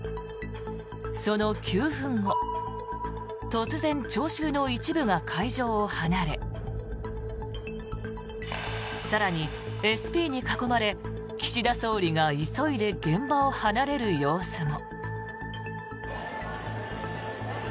その９分後突然、聴衆の一部が会場を離れ更に、ＳＰに囲まれ岸田総理が急いで現場を離れる様子も。